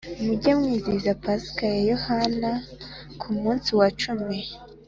mujye mwizihiza pasika ya Yehova i Ku munsi wa cumi